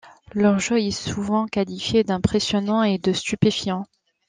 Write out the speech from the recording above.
Leur jeu est souvent qualifié d'impressionnant et de stupéfiant.